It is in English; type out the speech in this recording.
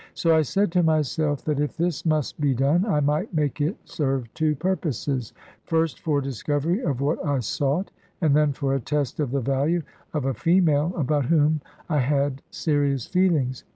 So I said to myself, that if this must be done, I might make it serve two purposes first for discovery of what I sought, and then for a test of the value of a female, about whom I had serious feelings.